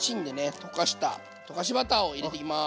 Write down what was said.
溶かした溶かしバターを入れていきます。